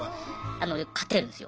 あの勝てるんですよ。